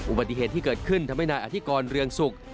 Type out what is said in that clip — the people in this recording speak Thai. อุบัติเหตุที่เกิดขึ้นทำให้นายอธิกรเรืองศุกร์